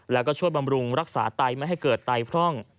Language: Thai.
แล้วก็ช่วยบำรุงรักษาไตไม่ให้เกิดไตพร่อง